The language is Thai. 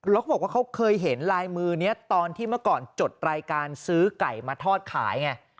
แล้วเขาบอกว่าเขาเคยเห็นลายมือนี้ตอนที่เมื่อก่อนจดรายการซื้อไก่มาทอดขายไง